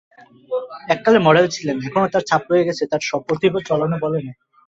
এককালে মডেল ছিলেন, এখনো তার ছাপ রয়ে গেছে তাঁর সপ্রতিভ চলনে-বলনে।